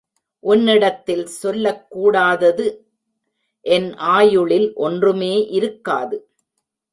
உன்னிடத்தில் சொல்லக் கூடாதது என் ஆயுளில் ஒன்றுமே இருக்காது.